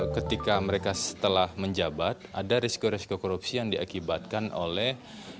ketika mereka setelah menjabat ada risiko risiko korupsi yang diakibatkan oleh